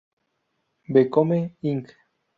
Become Inc.